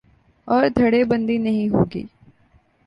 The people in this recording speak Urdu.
اور دھڑے بندی نہیں ہو گی۔